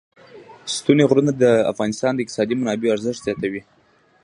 ستوني غرونه د افغانستان د اقتصادي منابعو ارزښت زیاتوي.